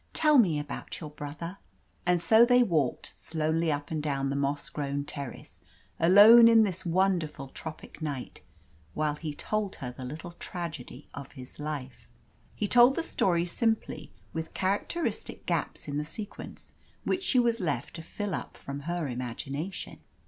Tell me about your brother." And so they walked slowly up and down the moss grown terrace alone in this wonderful tropic night while he told her the little tragedy of his life. He told the story simply, with characteristic gaps in the sequence, which she was left to fill up from her imagination.